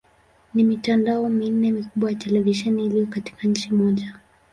Ni mitandao minne mikubwa ya televisheni iliyo katika nchi moja.